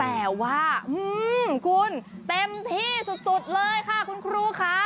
แต่ว่าคุณเต็มที่สุดเลยค่ะคุณครูค่ะ